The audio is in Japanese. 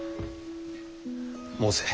申せ。